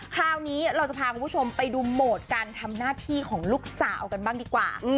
คราวนี้เราจะพาคุณผู้ชมไปดูโหมดการทำหน้าที่ของลูกสาวกันบ้างดีกว่า